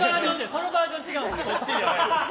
そのバージョン違うんですよ。